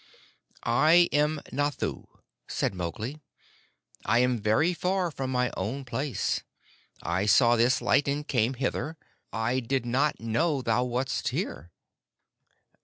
"I am Nathoo," said Mowgli, "I am very far from my own place. I saw this light, and came hither. I did not know thou wast here."